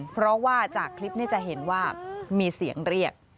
เพราะว่าจากคลิปนี้จะเห็นว่ามีเสียงเรียก